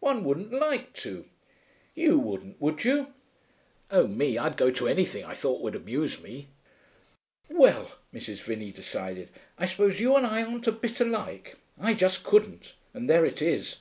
One wouldn't like to. You wouldn't, would you?' 'Oh, me. I'd go to anything I thought would amuse me.' 'Well,' Mrs. Vinney decided, 'I suppose you and I aren't a bit alike. I just couldn't, and there it is.